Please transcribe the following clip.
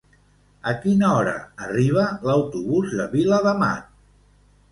A quina hora arriba l'autobús de Viladamat?